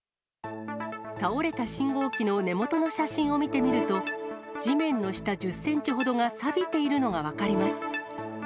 倒れた信号機の根元の写真を見てみると、地面の下１０センチほどがさびているのが分かります。